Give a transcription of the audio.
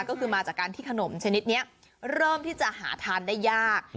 ก็คือมาจากการที่ขนมชนิดนี้เริ่มที่จะหาทานได้ยาก